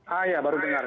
ah ya baru dengar